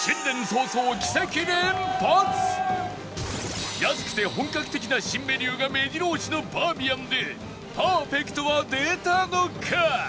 新年早々安くて本格的な新メニューが目白押しのバーミヤンでパーフェクトは出たのか？